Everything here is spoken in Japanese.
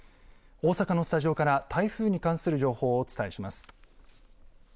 大阪のスタジオから台風に関する情報をお伝えします。